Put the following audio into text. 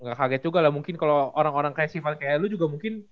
ya gak kaget juga lah mungkin kalau orang orang kreatifan kayak lo juga mungkin